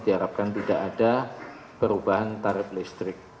diharapkan tidak ada perubahan tarif listrik